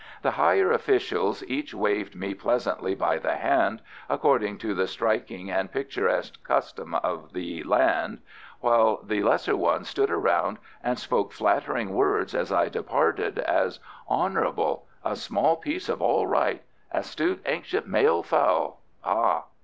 The higher officials each waved me pleasantly by the hand, according to the striking and picturesque custom of the land, while the lesser ones stood around and spoke flattering words as I departed, as "honourable," "a small piece of all right," "astute ancient male fowl," "ah!"